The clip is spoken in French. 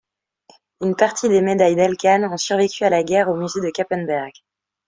Une partie des médailles d'Elkan ont survécu à la guerre au musée de Cappenberg.